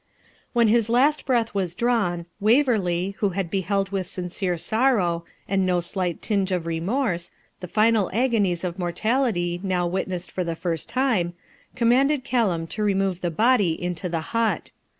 When his last breath was drawn, Waverley, who had beheld with sincere sorrow, and no slight tinge of remorse, the final agonies of mortality, now witnessed for the first time, commanded Callum to remove the body into the hut.